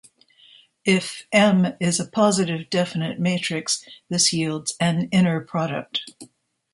If "M" is a positive definite matrix, this yields an inner product.